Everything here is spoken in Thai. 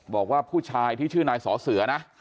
บอกว่าผู้ชายที่ชื่อนายสอเสือนะ